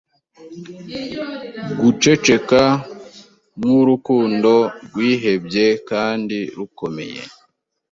Guceceka nkurukundo rwihebye kandi rukomeye